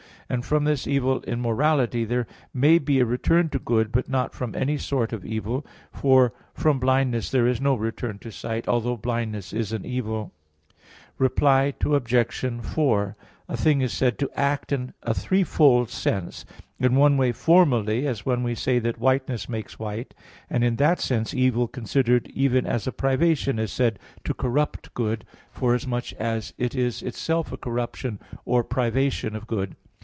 And from this evil in morality, there may be a return to good, but not from any sort of evil, for from blindness there is no return to sight, although blindness is an evil. Reply Obj. 4: A thing is said to act in a threefold sense. In one way, formally, as when we say that whiteness makes white; and in that sense evil considered even as a privation is said to corrupt good, forasmuch as it is itself a corruption or privation of good.